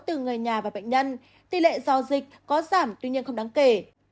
từ người nhà và bệnh nhân tỷ lệ do dịch có giảm tuy nhiên không đáng kể